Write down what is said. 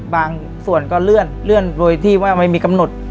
บางส่วนก็เลื่อนโดยที่ว่าไม่มีกำหนด